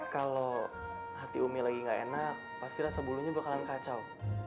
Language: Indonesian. kalau hati umi lagi gak enak pasti rasa bulunya bakalan kacau